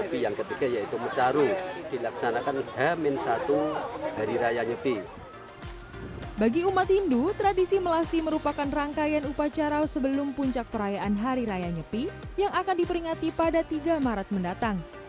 pembelian upacara sebelum puncak perayaan hari raya nyepi yang akan diperingati pada tiga maret mendatang